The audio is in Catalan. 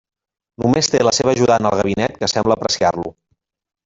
Només té la seva ajudant al gabinet que sembla apreciar-lo.